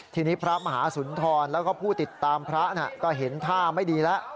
ทีนี้พระมหาสุนทรแล้วก็ผู้ติดตามพระก็เห็นท่าไม่ดีแล้ว